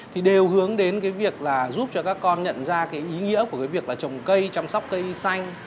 thì đều hướng đến cái việc là giúp cho các con nhận ra cái ý nghĩa của cái việc là trồng cây chăm sóc cây xanh